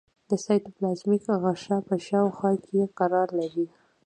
د سایتوپلازمیک غشا په شاوخوا کې قرار لري.